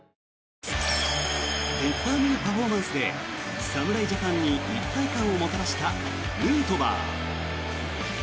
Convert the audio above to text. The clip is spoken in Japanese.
ペッパーミルパフォーマンスで侍ジャパンに一体感をもたらしたヌートバー。